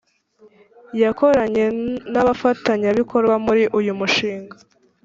yakoranye n abafatanyabikorwa muri uyu mushinga